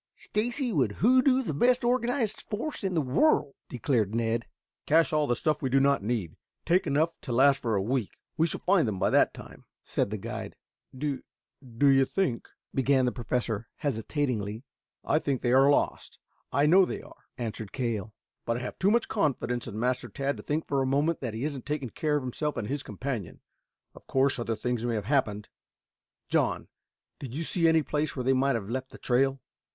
Stacy would hoodoo the best organized force in the world," declared Ned. "Cache all the stuff we do not need. Take enough to last for a week. We shall find them by that time," said the guide. "Do do you think " began the Professor hesitatingly. "I think they are lost. I know they are," answered Cale. "But I have too much confidence in Master Tad to think for a moment that he isn't taking care of himself and his companion. Of course other things may have happened. John, did you see any place where they might have left the trail?"